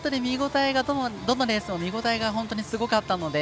どのレースも見応えがすごかったので。